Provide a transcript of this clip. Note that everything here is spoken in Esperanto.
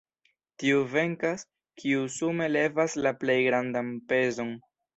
Tiu venkas, kiu sume levas la plej grandan pezon.